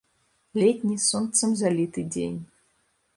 Летні, сонцам заліты дзень.